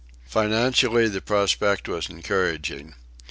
Financially the prospect was encouraging.